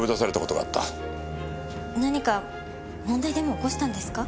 何か問題でも起こしたんですか？